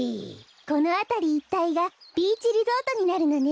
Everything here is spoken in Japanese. このあたりいったいがビーチリゾートになるのね。